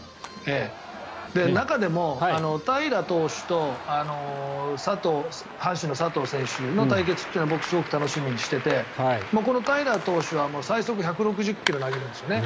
中でも平良投手と阪神の佐藤選手の対決は僕、すごく楽しみにしていてこの平良投手は最速１６０ｋｍ投げるんですよね。